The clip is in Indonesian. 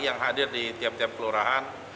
yang hadir di tiap tiap kelurahan